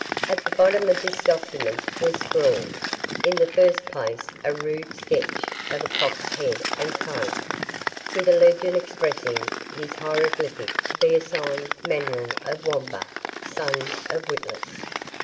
At the bottom of this document was scrawled, in the first place, a rude sketch of a cock's head and comb, with a legend expressing this hieroglyphic to be the sign manual of Wamba, son of Witless.